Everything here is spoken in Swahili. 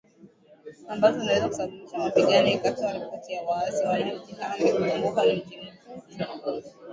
Ambazo zinaweza kusababisha mapigano ikitoa ripoti za waasi wanaojihami kuzunguka mji mkuu Tripoli.